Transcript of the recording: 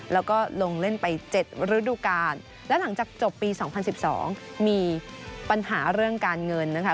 แล้วก็ลงเล่นไป๗ฤดูกาลและหลังจากจบปี๒๐๑๒มีปัญหาเรื่องการเงินนะคะ